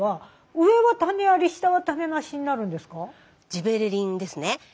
ジベレリンですね。